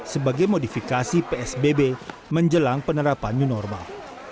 sebagai modifikasi psbb menjelang penerapan new normal